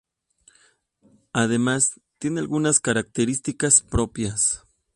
Además, tiene algunas características propias.